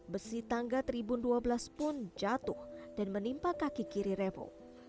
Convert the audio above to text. besi tangga tribun dua belas pun jatuh dan menimpa kaki kiri revo